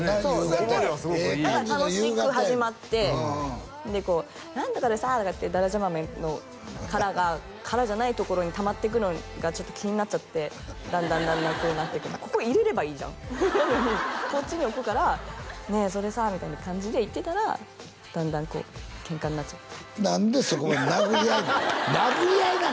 夕方それで楽しく始まってでこう「何とかでさ」とかってだだちゃ豆の殻が殻じゃないところにたまっていくのがちょっと気になっちゃってだんだんだんだんこうなっていくのがここ入れればいいじゃんなのにこっちに置くから「ねえそれさ」みたいな感じで言ってたらだんだんこうケンカになっちゃって何でそこで殴り合いなん？